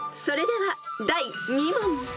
［それでは第２問］